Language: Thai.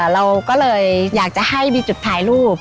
เราก็เลยอยากจะให้มีจุดถ่ายรูป